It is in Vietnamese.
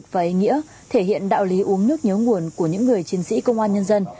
và ý nghĩa thể hiện đạo lý uống nước nhớ nguồn của những người chiến sĩ công an nhân dân